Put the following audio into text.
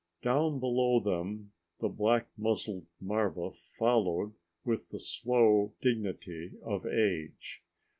Down below them the black muzzled marva followed with the slow dignity of age.